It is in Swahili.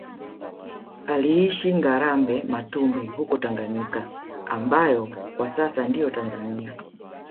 Aliishi Ngarambe Matumbi huko Tanganyika ambayo kwa sasa ndiyo Tanzania